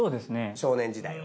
少年時代を。